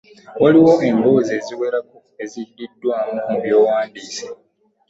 Waliwo emboozi eziwerako eziddiddwaamu mu by'owandiise.